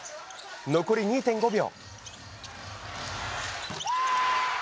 残り２．５秒。